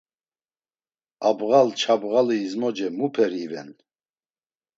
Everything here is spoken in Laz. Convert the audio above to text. Abğal ç̌abğali izmoce muperi iven?